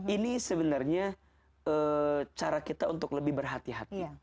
ini sebenarnya cara kita untuk lebih berhati hati